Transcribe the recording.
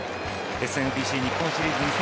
ＳＭＢＣ日本シリーズ２０２２